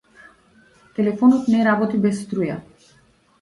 Телефонот не работи без струја.